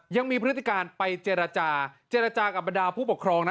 พฤติการไปเจรจาเจรจากับบรรดาผู้ปกครองนะ